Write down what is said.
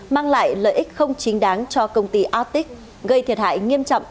mang lại lợi ích không chính đáng cho công ty aotic gây thiệt hại nghiêm trọng